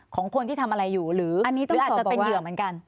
ของคนที่ทำอะไรอยู่หรืออาจจะเป็นเหยื่อเหมือนกัน